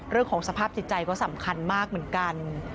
เรื่องของสภาพจิตใจก็สำคัญมากเหมือนกัน